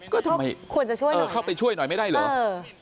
ก็ควรให้เข้าไปช่วยหน่อยไม่ได้เลย